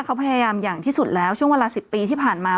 เขาพยายามอย่างที่สุดแล้วช่วงเวลา๑๐ปีที่ผ่านมา